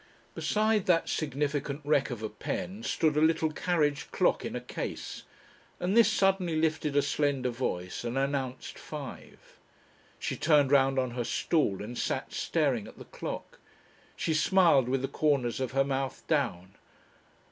Beside that significant wreck of a pen stood a little carriage clock in a case, and this suddenly lifted a slender voice and announced five. She turned round on her stool and sat staring at the clock. She smiled with the corners of her mouth down.